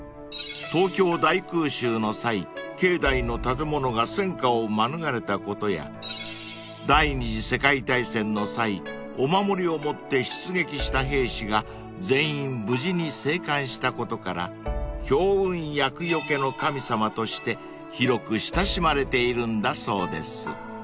［東京大空襲の際境内の建物が戦火を免れたことや第二次世界大戦の際お守りを持って出撃した兵士が全員無事に生還したことから強運厄除けの神様として広く親しまれているんだそうです］